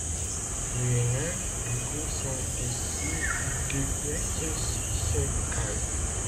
Les nerfs du cou sont issus du plexus cervical.